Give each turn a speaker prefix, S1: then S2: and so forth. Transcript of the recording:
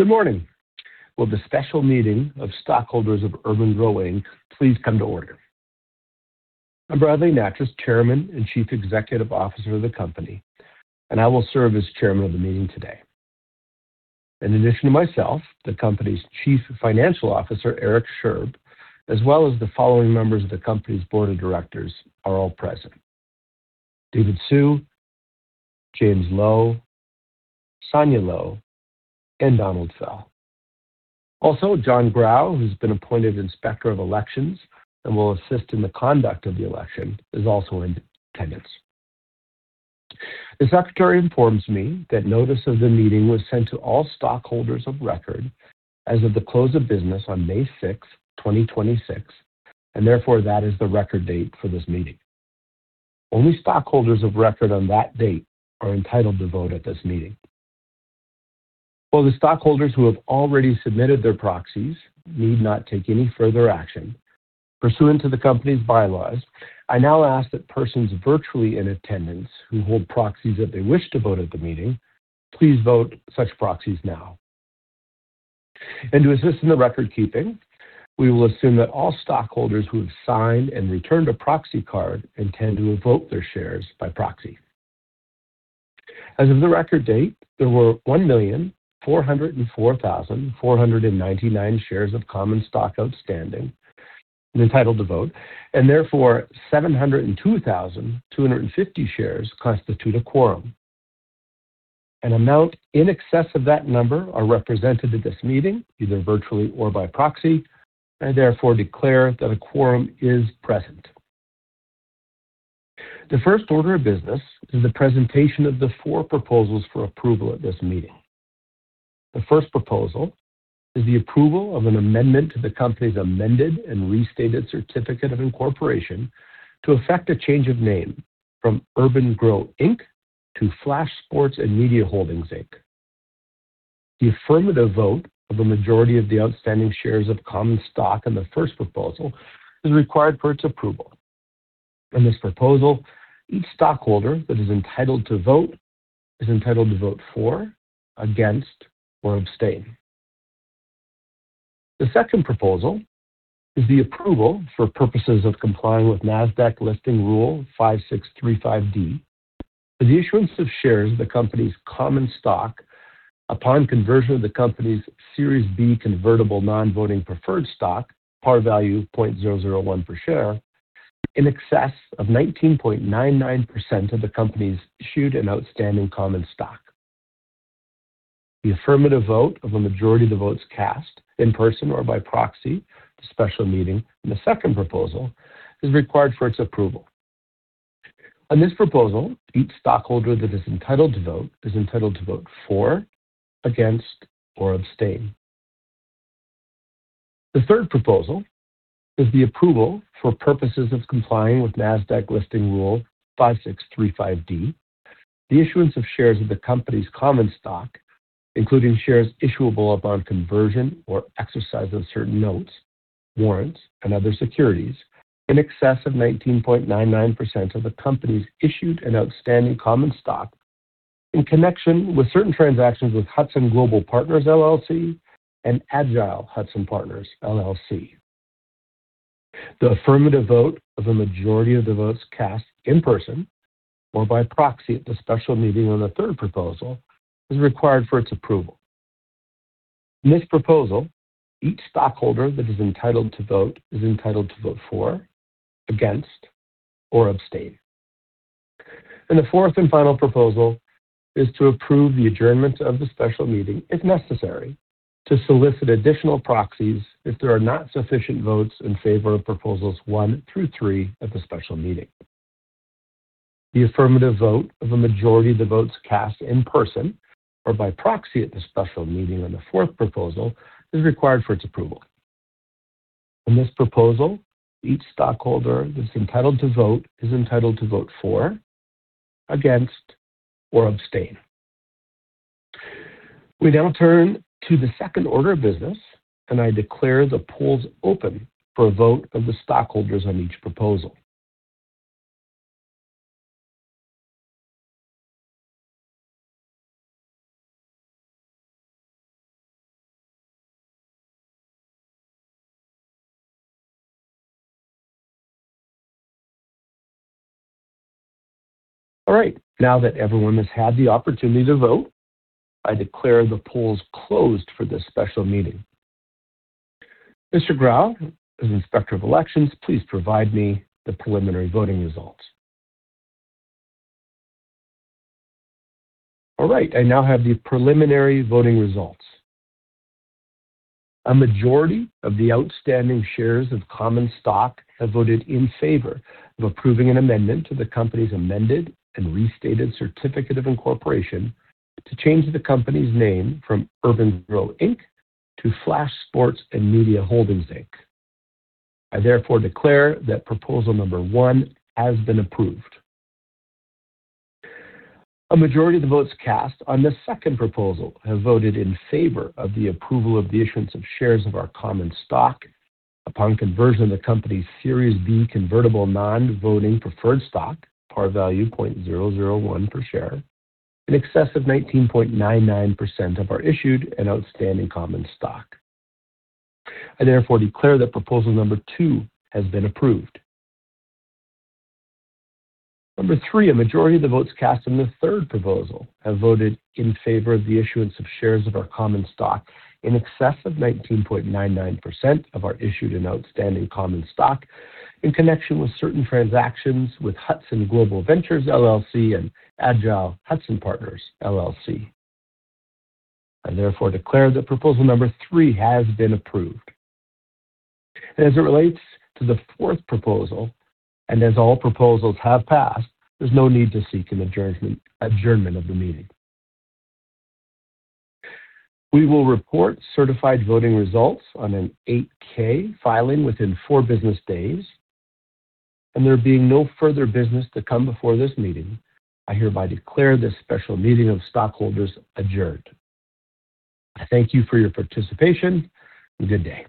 S1: Good morning. Will the special meeting of stockholders of Urban-Gro, Inc. please come to order? I am Bradley Nattrass, Chairman and Chief Executive Officer of the company, and I will serve as Chairman of the meeting today. In addition to myself, the company's Chief Financial Officer, Eric Sherb, as well as the following members of the company's Board of Directors are all present. David Hsu, James Lowe, Sonia Lo, and Donald Fell. Also, John Grau, who's been appointed Inspector of Elections and will assist in the conduct of the election, is also in attendance. The secretary informs me that notice of the meeting was sent to all stockholders of record as of the close of business on May 6, 2026. Therefore, that is the record date for this meeting. Only stockholders of record on that date are entitled to vote at this meeting. While the stockholders who have already submitted their proxies need not take any further action, pursuant to the company's bylaws, I now ask that persons virtually in attendance who hold proxies if they wish to vote at the meeting, please vote such proxies now. To assist in the record keeping, we will assume that all stockholders who have signed and returned a proxy card intend to vote their shares by proxy. As of the record date, there were 1,404,499 shares of common stock outstanding and entitled to vote. Therefore, 702,250 shares constitute a quorum. An amount in excess of that number are represented at this meeting, either virtually or by proxy. I therefore declare that a quorum is present. The first order of business is the presentation of the four proposals for approval at this meeting. The first proposal is the approval of an amendment to the company's amended and restated certificate of incorporation to effect a change of name from Urban-Gro, Inc. to Flash Sports & Media Holdings, Inc. The affirmative vote of a majority of the outstanding shares of common stock on the first proposal is required for its approval. On this proposal, each stockholder that is entitled to vote is entitled to vote for, against, or abstain. The second proposal is the approval for purposes of complying with Nasdaq Listing Rule 5635(d), for the issuance of shares of the company's common stock upon conversion of the company's Series B convertible non-voting preferred stock, par value of $0.001 per share, in excess of 19.99% of the company's issued and outstanding common stock. The affirmative vote of a majority of the votes cast, in person or by proxy at the special meeting on the second proposal, is required for its approval. On this proposal, each stockholder that is entitled to vote is entitled to vote for, against, or abstain. The third proposal is the approval for purposes of complying with Nasdaq Listing Rule 5635(d), the issuance of shares of the company's common stock, including shares issuable upon conversion or exercise of certain notes, warrants, and other securities, in excess of 19.99% of the company's issued and outstanding common stock in connection with certain transactions with Hudson Global Partners, LLC, and Agile Hudson Partners, LLC. The affirmative vote of a majority of the votes cast in person or by proxy at the special meeting on the third proposal is required for its approval. On this proposal, each stockholder that is entitled to vote is entitled to vote for, against, or abstain. The fourth and final proposal is to approve the adjournment of the special meeting if necessary to solicit additional proxies if there are not sufficient votes in favor of Proposals one through three at the special meeting. The affirmative vote of a majority of the votes cast in person or by proxy at the special meeting on the fourth proposal is required for its approval. On this proposal, each stockholder that is entitled to vote is entitled to vote for, against, or abstain. We now turn to the second order of business. I declare the polls open for a vote of the stockholders on each proposal. All right. Now that everyone has had the opportunity to vote, I declare the polls closed for this special meeting. Mr. Grau, as Inspector of Elections, please provide me the preliminary voting results. All right. I now have the preliminary voting results. A majority of the outstanding shares of common stock have voted in favor of approving an amendment to the company's amended and restated certificate of incorporation to change the company's name from Urban-Gro, Inc. to Flash Sports & Media Holdings, Inc. I therefore declare that proposal number 1 has been approved. A majority of the votes cast on the second proposal have voted in favor of the approval of the issuance of shares of our common stock upon conversion of the company's Series B convertible non-voting preferred stock, par value 0.001 per share, in excess of 19.99% of our issued and outstanding common stock. I therefore declare that proposal number 2 has been approved. Number 3, a majority of the votes cast on the third proposal have voted in favor of the issuance of shares of our common stock in excess of 19.99% of our issued and outstanding common stock in connection with certain transactions with Hudson Global Partners, LLC, and Agile Hudson Partners, LLC. I therefore declare that proposal number 3 has been approved. As it relates to the fourth proposal, and as all proposals have passed, there's no need to seek an adjournment of the meeting. We will report certified voting results on an 8-K filing within four business days. There being no further business to come before this meeting, I hereby declare this special meeting of stockholders adjourned. I thank you for your participation, and good day.